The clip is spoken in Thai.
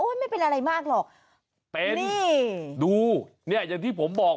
ไม่เป็นอะไรมากหรอกเป็นนี่ดูเนี่ยอย่างที่ผมบอก